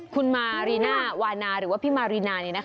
คุณมารีน่าวานาหรือว่าพี่มารีน่าเนี่ยนะคะ